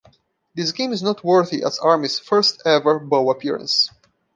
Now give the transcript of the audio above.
This game is noteworthy as Army's first-ever bowl appearance.